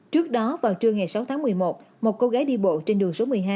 trước đó vào trưa ngày sáu tháng một mươi một một cô gái đi bộ trên đường số một mươi hai